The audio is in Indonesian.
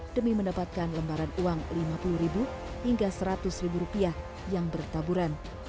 demi mendapatkan lembaran uang lima puluh hingga seratus rupiah yang bertaburan